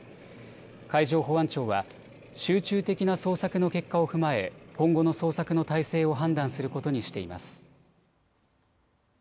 海上保安庁は集中的な捜索の結果を踏まえ今後の捜索の態勢を判断することにしています。